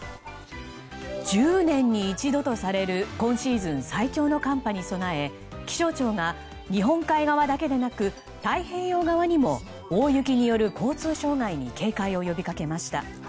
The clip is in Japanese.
１０年に一度とされる今シーズン最強の寒波に備え気象庁が、日本海側だけでなく太平洋側にも大雪による交通障害に警戒を呼びかけました。